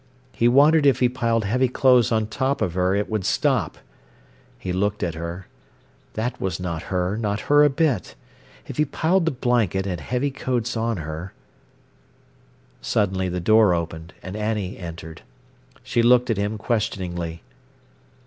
He wondered if he piled heavy clothes on top of her it would stop. He looked at her. That was not her—not her a bit. If he piled the blanket and heavy coats on her— Suddenly the door opened, and Annie entered. She looked at him questioningly.